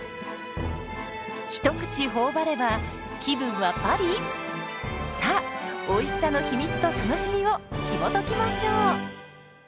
一口頬張れば気分はパリ⁉さあおいしさの秘密と楽しみをひもときましょう。